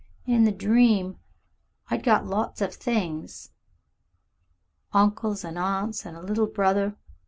"In the dream I'd got lots of things. Uncles and aunts an' a little brother.